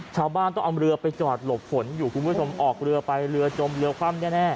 ชาวบ้านต้องเอาเรือไปจอดหลบฝนอยู่คุณผู้ชมออกเรือไปเรือจมเรือคว่ำแน่